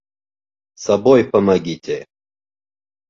Собой помогите!